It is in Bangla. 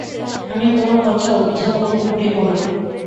আমি কোন কথা উত্থাপন করিব না।